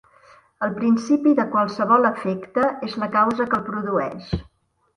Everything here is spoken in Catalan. El principi de qualsevol efecte és la causa que el produeix.